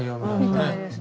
みたいですね。